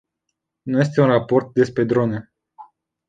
Nu este un raport despre drone.